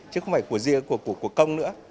chứ không phải của công nữa